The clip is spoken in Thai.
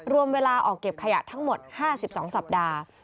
รวมเวลาออกเก็บขยะทั้งหมด๕๒สัปดาห์